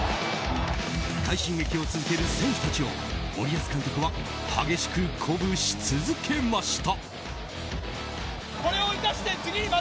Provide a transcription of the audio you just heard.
快進撃を続ける選手たちを森保監督は激しく鼓舞し続けました。